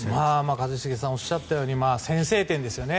一茂さんがおっしゃったように先制点ですよね。